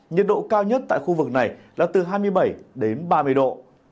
nhiệt độ cao nhất tại khu vực này là từ hai mươi bảy đến ba mươi độ